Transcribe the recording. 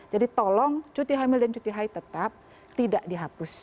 jadi tolong cuti hamil dan cuti haid tetap tidak dihapus